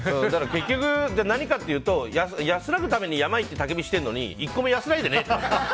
結局何かっていうと安らぐために山に行って、たき火しているのに１個も安らいでないんだよ。